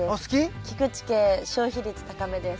菊地家消費率高めです。